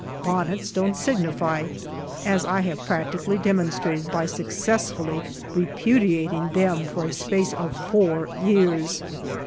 Bonnets don't signify, as I have. practically demonstrated by successfully repudiating them for the space of four years.